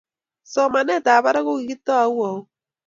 Somanetab barak kogigitau au?